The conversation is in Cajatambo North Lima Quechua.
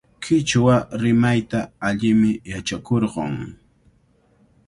Qichwa rimayta allimi yachakurqun.